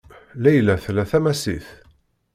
Layla tla tamasit.